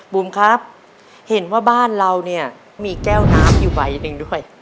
บุ๋มครับเห็นว่าบ้านเราเนี่ยมีแก้วน้ำอยู่ใบหนึ่งด้วย